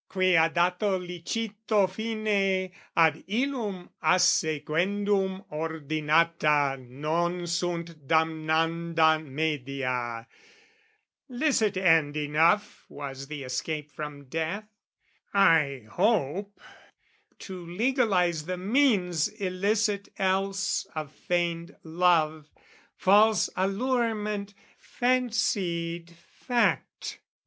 Quia dato licito fine, Ad illum assequendum ordinata Non sunt damnanda media, licit end Enough was the escape from death, I hope, To legalise the means illicit else Of feigned love, false allurement, fancied fact.